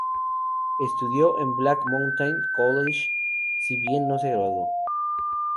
Estudió en el Black Mountain College, si bien no se graduó.